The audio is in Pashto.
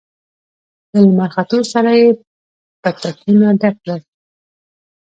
له لمر ختو سره يې پتکونه ډک کړل.